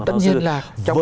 tất nhiên là